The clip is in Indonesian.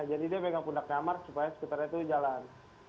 jadi dia pegang pundaknya amar supaya skuternya itu jalan